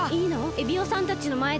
エビオさんたちのまえで？